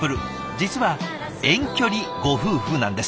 実は遠距離ご夫婦なんです。